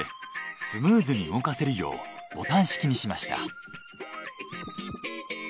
スムーズに動かせるようボタン式にしました。